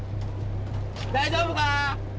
大丈夫か？